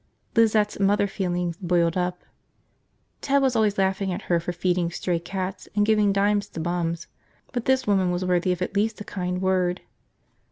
Lizette's mother feelings boiled up. Ted was always laughing at her for feeding stray cats and giving dimes to bums. But this woman was worthy of at least a kind word.